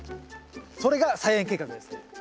それが菜園計画ですね。